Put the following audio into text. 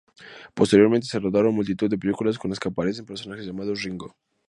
Posteriormente se rodaron multitud de películas en las que aparecen personajes llamados Ringo.